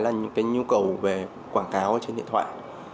là những cái nhu cầu về quảng cáo trên điện thoại